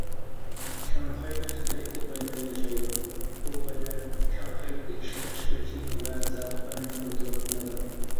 شاڭخەيدە خىتايدىكى بايلار ياشايدۇ، ئۇ بايلار شاڭخەيدىكى ئىشلەپچىقىرىشنى ۋە زاۋۇتلارنى كونترول قىلىدۇ.